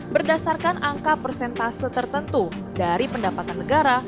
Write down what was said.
berdasarkan angka persentase tertentu dari pendapatan negara